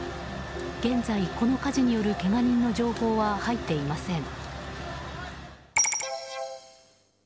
現在、この火事によるけが人の情報は入っていません。